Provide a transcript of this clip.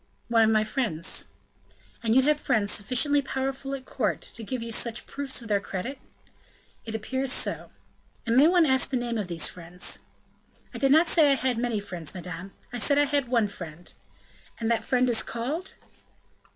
"One of my friends." "And you have friends sufficiently powerful at court to give you such proofs of their credit?" "It appears so." "And may one ask the name of these friends?" "I did not say I had many friends, madame, I said I had one friend." "And that friend is called?"